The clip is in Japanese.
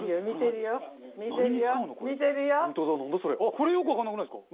これよくわかんなくないですか？